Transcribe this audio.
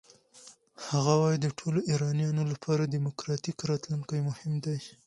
هغه وايي د ټولو ایرانیانو لپاره دموکراتیک راتلونکی مهم دی.